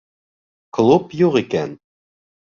Клуб юҡ икән.